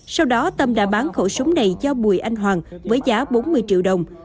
sau đó tâm đã bán khẩu súng này cho bùi anh hoàng với giá bốn mươi triệu đồng